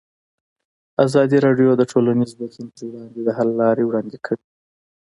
ازادي راډیو د ټولنیز بدلون پر وړاندې د حل لارې وړاندې کړي.